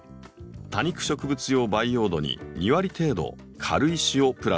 多肉植物用培養土に２割程度軽石をプラスしてください。